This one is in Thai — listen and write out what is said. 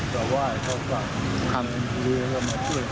จะไหว้เข้าฝั่งหรือจะมาช่วย